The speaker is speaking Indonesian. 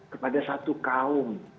kepada satu kaum